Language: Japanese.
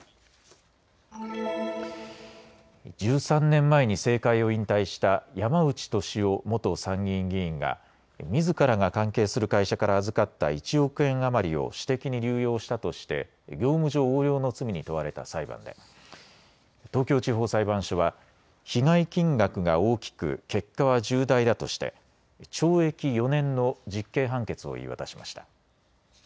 １３年前に政界を引退した山内俊夫元参議院議員がみずからが関係する会社から預かった１億円余りを私的に流用したとして業務上横領の罪に問われた裁判で東京地方裁判所は被害金額が大きく、結果は重大だとして懲役４年の実刑判決を言い渡しました。